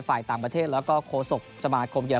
ก็ออกมายืนยันว่าจะเป็น